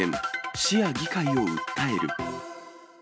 市や議会を訴える。